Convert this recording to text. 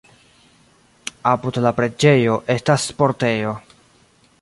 Apud la preĝejo estas sportejo.